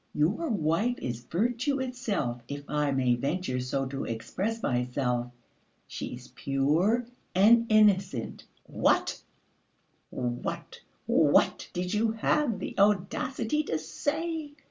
Your wife is virtue itself, if I may venture so to express myself. She is pure and innocent!" "What, what? What did you have the audacity to say?"